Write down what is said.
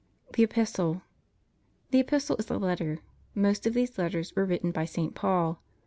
THE EPISTLE The Epistle is a letter. Most of these letters were written by Saint Paul.